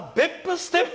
ステップ！